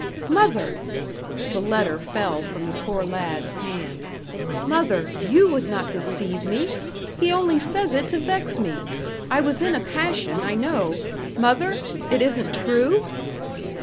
"Mother!" the letter fell from the poor lad's hand. "Mother, YOU would not deceive me. He only says it to vex me. I was in a passion, I know. Mother, it isn't true?"